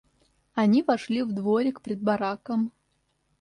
Они вошли в дворик пред бараком.